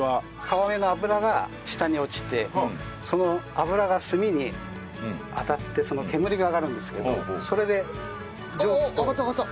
皮目の脂が下に落ちてその脂が炭に当たってその煙が上がるんですけどそれで蒸気とうまみを戻してくれるんです。